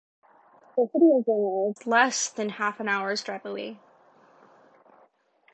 The City of Bangor is less than half an hour's drive away.